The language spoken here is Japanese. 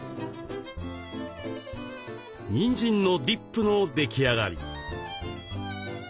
にんじんのディップの出来上がり。